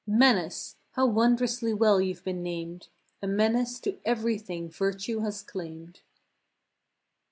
167 "Menace!*' How wondrously well you've been named I A menace to everything virtue has claimed.